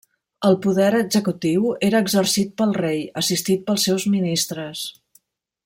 El poder executiu era exercit pel Rei, assistit pels seus ministres.